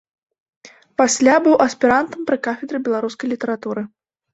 Пасля быў аспірантам пры кафедры беларускай літаратуры.